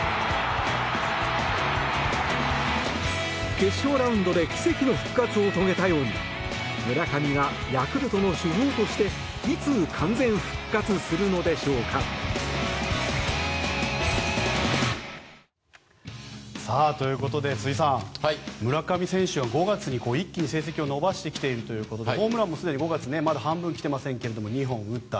決勝ラウンドで奇跡の復活を遂げたように村上がヤクルトの主砲としていつ完全復活するのでしょうか。ということで、辻さん村上選手が５月に一気に成績を伸ばしてきているということでホームランもすでに５月まだ半分来てませんが２本打った。